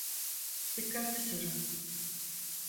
Dikkatli sürün.